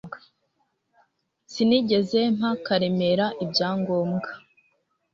Sinigeze mpa Karemera ibyangombwa